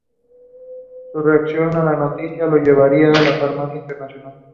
Su reacción a la noticia la llevaría a la fama internacional.